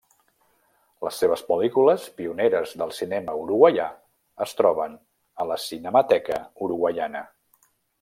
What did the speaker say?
Les seves pel·lícules, pioneres del cinema uruguaià, es troben a la Cinemateca Uruguaiana.